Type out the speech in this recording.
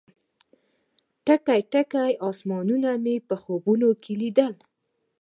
ډک، ډک اسمانونه مې خوبونو کې لیدلې دي